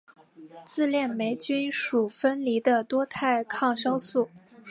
自链霉菌属分离的多肽抗生素。